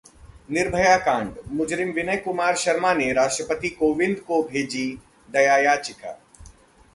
निर्भया कांड: मुजरिम विनय कुमार शर्मा ने राष्ट्रपति कोविंद को भेजी दया याचिका